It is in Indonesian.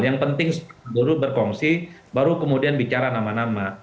yang penting buruh berkongsi baru kemudian bicara nama nama